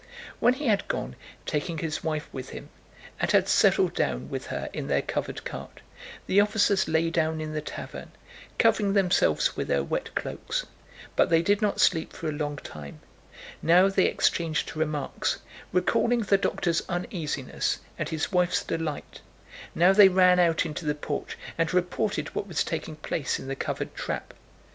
When he had gone, taking his wife with him, and had settled down with her in their covered cart, the officers lay down in the tavern, covering themselves with their wet cloaks, but they did not sleep for a long time; now they exchanged remarks, recalling the doctor's uneasiness and his wife's delight, now they ran out into the porch and reported what was taking place in the covered trap.